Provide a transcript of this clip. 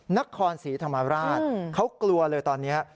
นครศรีธรรมราชเขากลัวเลยตอนนี้